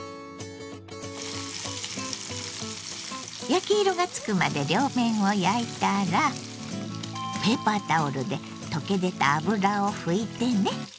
焼き色がつくまで両面を焼いたらペーパータオルで溶け出た脂を拭いてね。